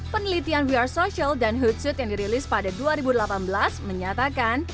penelitian wear social dan hootsuit yang dirilis pada dua ribu delapan belas menyatakan